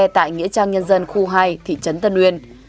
tại nghĩa trang nhân dân khu hai thị trấn tân uyên